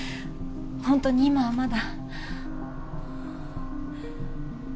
本当に今はまだ。